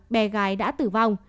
bé gái đã tử vong